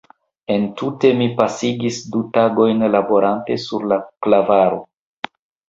Entute mi pasigis du tagojn laborante sur la klavaro.